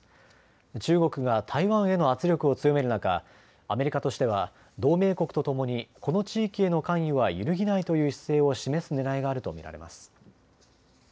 中国が台湾への圧力を強める中、アメリカとしては同盟国とともにこの地域への関与は揺るぎないという姿勢を示すねらいがあると見られます。